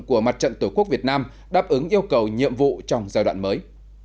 của mặt trận tổ quốc việt nam đáp ứng yêu cầu nhiệm vụ trong giai đoạn mới